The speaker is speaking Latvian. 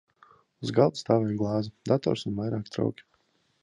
Uz galda stāvēja glāze, dators un vairāki trauki.